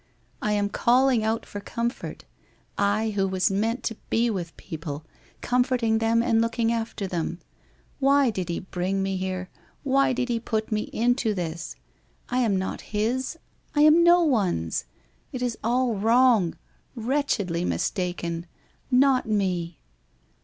I am calling out for comfort, I who was meant to be with people, comforting them and looking after them! Why did he bring mo here, why did lie put me into this? I am not his, I am no one's. It is all wrong ... wretchedly mistaken ... not me.